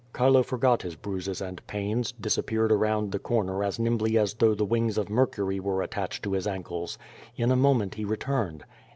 Chilo forgot his bruises and pains, disappeared around the corner as nimbly as though the wings of Mercury were at tached to his ankles. In a moment he returned.